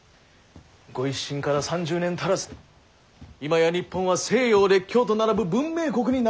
御一新から３０年足らずで今や日本は西洋列強と並ぶ文明国になろうとしとる。